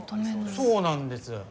そうなんです。